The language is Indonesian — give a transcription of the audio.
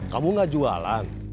kamu gak jualan